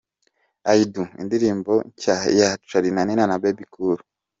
I Do, indirimbo nshya ya Charly&Nina na Bebe Cool.